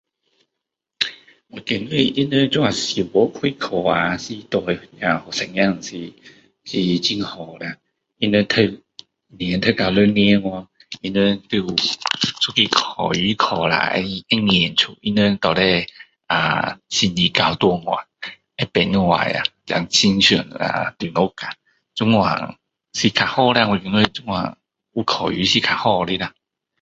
我觉得他们这样小学会考啊是对我们学生仔是很好的啊他们读读到六年掉他们要有一个考试考一下会验出他们到底啊成绩到哪里知道多少 dan 很像啊中学啊这样是较好啦我觉得这样有考试是较好的啦